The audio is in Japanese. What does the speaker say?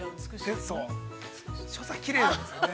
所作がきれいなんですね。